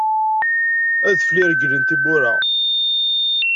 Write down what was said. Adfel iregglen tiwwura.